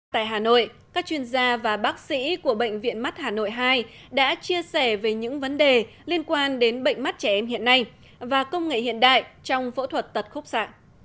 tại hà nội các chuyên gia và bác sĩ của bệnh viện mắt hà nội hai đã chia sẻ về những vấn đề liên quan đến bệnh mắt trẻ em hiện nay và công nghệ hiện đại trong phẫu thuật tật khúc xạ